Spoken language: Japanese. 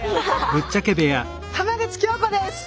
浜口京子です！